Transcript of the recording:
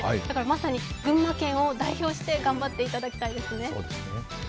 だからまさに群馬県を代表して頑張っていただきたいですね。